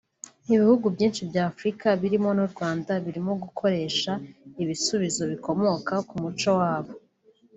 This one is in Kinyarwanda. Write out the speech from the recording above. Ibihugu byinshi by’Afurika birimo n’u Rwanda birimo gukoresha ibisubizo bikomoka mu muco wabo